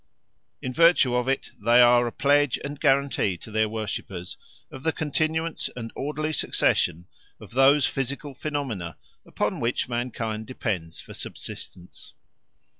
In virtue of it they are a pledge and guarantee to their worshippers of the continuance and orderly succession of those physical phenomena upon which mankind depends for subsistence.